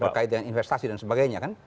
berkaitan investasi dan sebagainya kan